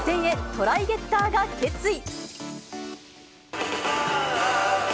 トライゲッターが決意。